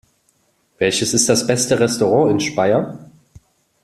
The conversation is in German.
Welches ist das beste Restaurant in Speyer?